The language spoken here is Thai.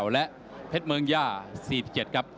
และเพชรเมืองย่า๔๗ครับ